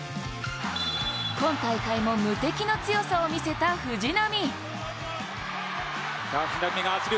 今大会も無敵の強さを見せた藤波。